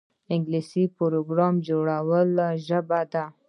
انګلیسي د پروګرام جوړولو ژبه ده